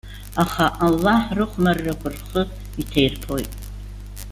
Аха Аллаҳ рыхәмаррақәа рхы иҭаирԥоит.